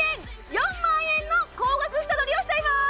４万円の高額下取りをしちゃいます！